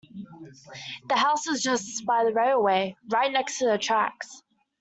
The house was just by the railway, right next to the tracks